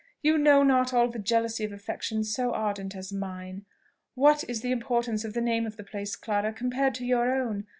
you know not all the jealousy of affection so ardent as mine! What is the importance of the name of the place, Clara, compared to your own?